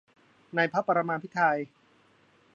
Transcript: ในพระปรมาภิไธย